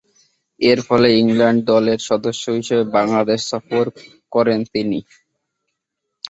এরফলে England A দলের সদস্য হিসেবে বাংলাদেশ সফর করেন তিনি।